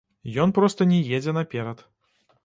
Ён проста не едзе наперад.